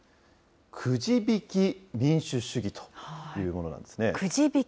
くじ引き民主主義というものなんですね。